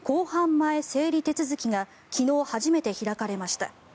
前整理手続きが昨日、初めて開かれました。